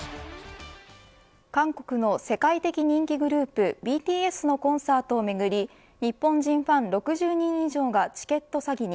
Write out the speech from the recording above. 韓国の世界的人気グループＢＴＳのコンサートをめぐり日本人ファン６０人以上がチケット詐欺に。